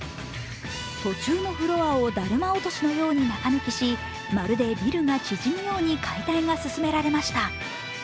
途中のフロアをだるま落としのように中抜きしまるでビルが縮むように解体が進められました。